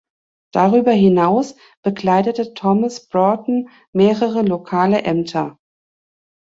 Darüber hinaus bekleidete Thomas Broughton mehrere lokale Ämter.